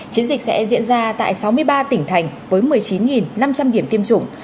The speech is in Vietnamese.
chiến dịch sẽ diễn ra tại sáu mươi ba tỉnh thành với một mươi chín năm trăm linh điểm tiêm chủng